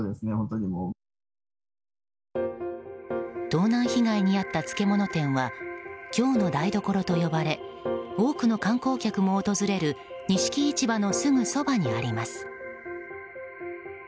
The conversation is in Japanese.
盗難被害に遭った漬物店は京の台所と呼ばれ多くの観光客も訪れる錦市場のすぐそばにあります。